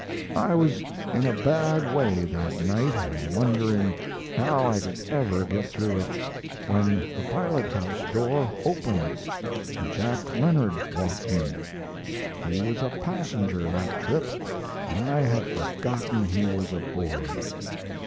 "I was in a bad way that night and wondering how I could ever get through it, when the pilot house door opened, and Jack Leonard walked in. He was a passenger that trip, and I had forgotten he was aboard.